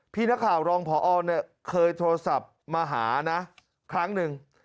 พี่นักข่าวรองพอเนี่ยเคยโทรศัพท์มาหานะครั้งหนึ่ง